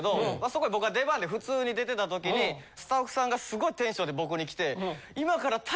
そこへ僕が出番で普通に出てた時にスタッフさんがすごいテンションで僕に来て。